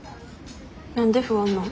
何で不安なん？